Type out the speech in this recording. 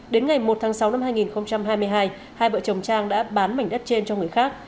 đến ngày một tháng sáu năm hai nghìn hai mươi hai hai vợ chồng trang đã bán mảnh đất trên cho người khác